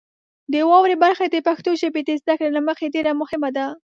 د واورئ برخه د پښتو ژبې د زده کړې له مخې ډیره مهمه ده.